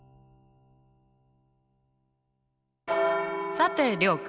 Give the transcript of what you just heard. さて諒君。